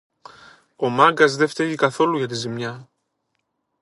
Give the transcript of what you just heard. Ο Μάγκας δε φταίγει καθόλου για τη ζημιά!